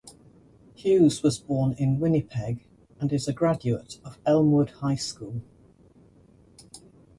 Hughes was born in Winnipeg, and is a graduate of Elmwood High School.